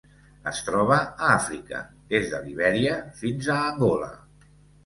Es troba a Àfrica: des de Libèria fins a Angola.